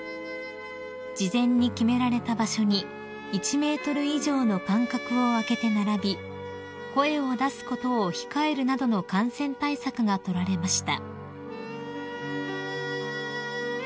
［事前に決められた場所に１ｍ以上の間隔を空けて並び声を出すことを控えるなどの感染対策がとられました］